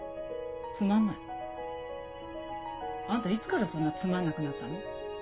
あんたいつからそんなつまんなくなったの？